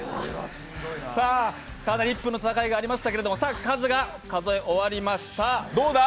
１分の戦いがありましたけれども集計が終わりました。